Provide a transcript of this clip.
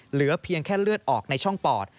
เหลือเพียงแค่เลือดออกในช่องปอด